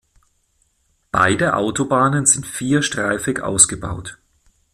Beide Autobahnen sind vierstreifig ausgebaut.